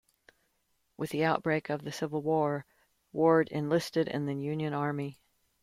With the outbreak of the Civil War, Ward enlisted in the Union Army.